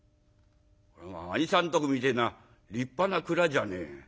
「兄さんとこみてえな立派な蔵じゃねえ。